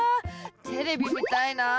テレビ見たいな。